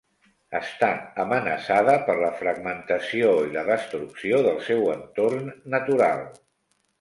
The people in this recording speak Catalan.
Està amenaçada per la fragmentació i la destrucció del seu entorn natural.